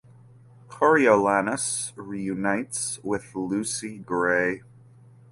Coriolanus reunites with Lucy Gray.